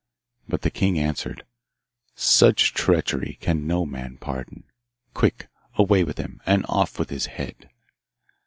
But the king answered, 'Such treachery can no man pardon. Quick, away with him, and off with his head!